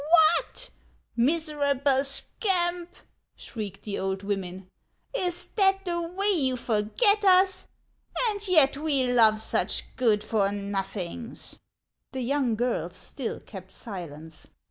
"What, miserable scamp!" shrieked the old women; " is that the way you forget us ? And yet we love such good for nothings !" The young girls still kept silence.